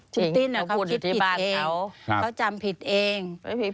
จริงเขาพูดอยู่ที่บ้านเขาเขาจำผิดเอง